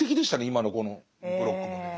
今のこのブロックもね。